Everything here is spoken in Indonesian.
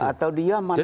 atau di yemen